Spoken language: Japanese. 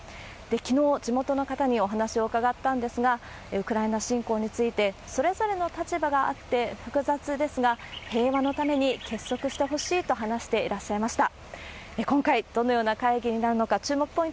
きのう、地元の方にお話を伺ったんですが、ウクライナ侵攻について、それぞれの立場があって複雑ですが、平和のために結束してほしいと話していらっしゃいました。